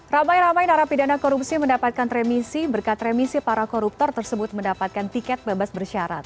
ramai ramai narapidana korupsi mendapatkan remisi berkat remisi para koruptor tersebut mendapatkan tiket bebas bersyarat